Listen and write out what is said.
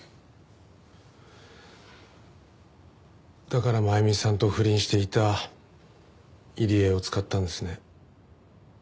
だから真弓さんと不倫していた入江を使ったんですね？